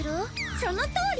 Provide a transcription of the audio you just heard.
そのとおり！